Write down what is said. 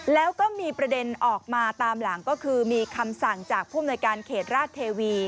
แล้วก็มีประเด็นออกมาตามหลังก็คือมีคำสั่งจากผู้อำนวยการเขตราชเทวี